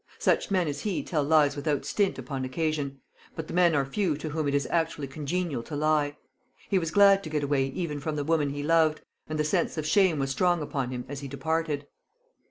Such men as he tell lies without stint upon occasion; but the men are few to whom it is actually congenial to lie. He was glad to get away even from the woman he loved, and the sense of shame was strong upon him as he departed.